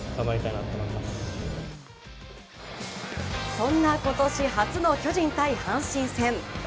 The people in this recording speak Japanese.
そんな今年初の巨人対阪神戦。